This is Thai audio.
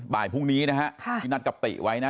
บ่ายพรุ่งนี้นะฮะที่นัดกับติไว้นะ